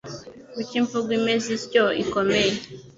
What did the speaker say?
Kuki imvugo imeze ityo ikomeye ?«